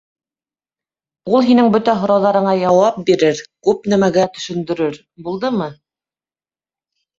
Ул һинең бөтә һорауҙарыңа яуап бирер, күп нәмәгә төшөндөрөр, булдымы?